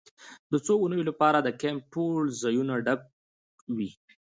د څو اونیو لپاره د کیمپ ټول ځایونه ډک وي